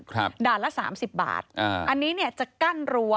ครับด่านละ๓๐บาทอันนี้เนี่ยจะกั้นรั้ว